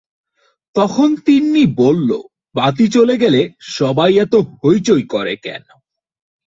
তখন তিন্নি বলল, বাতি চলে গেলে সবাই এত হৈচৈ করে কেন?